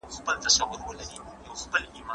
علم د انسان فکر او ذهن روښانه کوي.